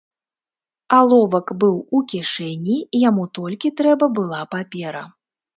Аловак быў у кішэні, яму толькі трэба была папера.